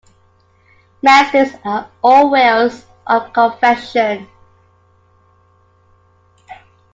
Masters are all whales on confession.